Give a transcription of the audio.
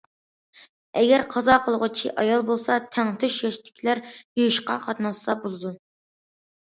ئەگەر قازا قىلغۇچى ئايال بولسا، تەڭتۇش ياشتىكىلەر يۇيۇشقا قاتناشسا بولىدۇ.